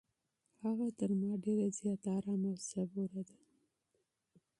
هغه تر ما ډېره زیاته ارامه او صبوره ده.